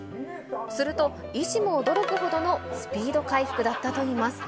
すると、医師も驚くほどのスピード回復だったといいます。